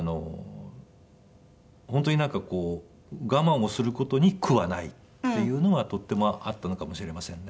本当に我慢をする事に苦はないっていうのはとってもあったのかもしれませんね。